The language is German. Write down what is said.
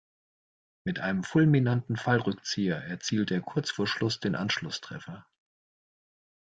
Mit einem fulminanten Fallrückzieher erzielt er kurz vor Schluss den Anschlusstreffer.